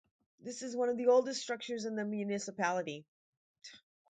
This is one of the oldest structures in the municipality.